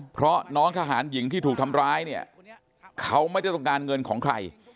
เพราะน้องทหารหญิงที่ถูกทำร้ายเนี่ยเขาไม่ได้ต้องการเงินของใคร